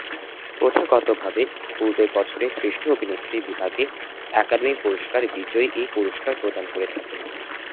প্রথাগতভাবে পূর্বের বছরের শ্রেষ্ঠ অভিনেত্রী বিভাগে একাডেমি পুরস্কার বিজয়ী এই পুরস্কার প্রদান করে থাকেন।